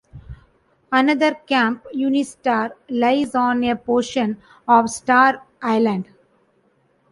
Another camp, UniStar, lies on a portion of Star Island.